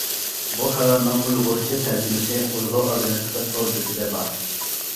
بۇ خەۋەرنىڭ ئۇيغۇرچە تەرجىمىسى ئۇيغۇر ئاگېنتلىقى تور بېتىدە بار.